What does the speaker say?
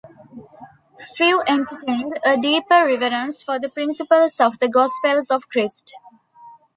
Few entertained a deeper reverence for the principles of the Gospels of Christ.